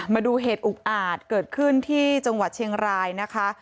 มาดูเหตุอุกอาจเกิดขึ้นที่จังหวัดเชียงรายนะคะ